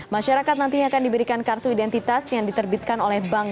masyarakat nantinya akan diberikan kartu identitas yang diterbitkan oleh bank